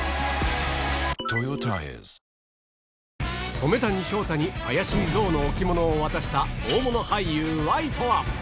染谷将太に怪しい象の置物を渡した大物俳優Ｙとは？